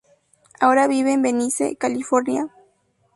Ahora vive en Venice, California.